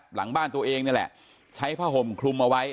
หลังบ้านตัวเองนี่แหละใช้ผ้าห่มคลุมเอาไว้